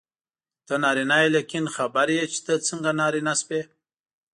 ته نارینه یې لیکن خبر یې چې ته څنګه نارینه شوې.